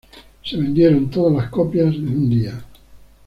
Se vendieron todas las copias en un día.